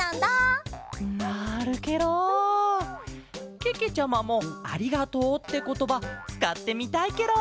けけちゃまも「ありがとう」ってことばつかってみたいケロ。